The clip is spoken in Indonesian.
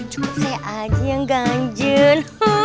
cukup saya aja yang ganjil